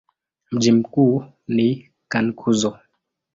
Mji mkuu ni Cankuzo.